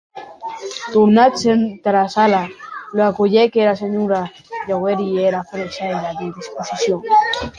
Tornant entara sala, la cuelhec ara senhora Jáuregui era frenesia des disposicions.